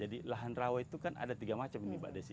jadi lahan rawa itu kan ada tiga macam ini mbak desi